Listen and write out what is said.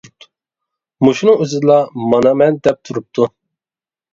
مۇشۇنىڭ ئۆزىدىلا مانا مەن دەپ، تۇرۇپتۇ.